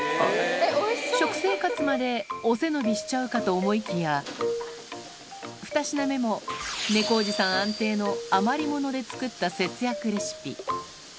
食生活までお背伸びしちゃうかと思いきや、２品目も、猫おじさん安定の、余り物で作った節約レシピ。